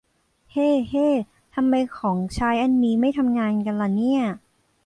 เฮ้ เฮ้ ทำไมของใช้อันนี้ไม่ทำงานกันล่ะเนี่ย